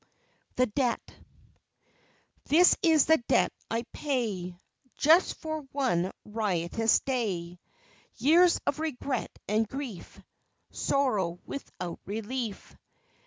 THE DEBT This is the debt I pay Just for one riotous day, Years of regret and grief. Sorrow without relief.